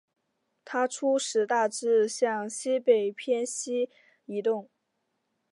它初时大致向西北偏西移动。